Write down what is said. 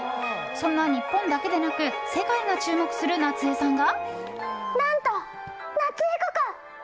そんな、日本だけでなく世界が注目する夏絵さんが。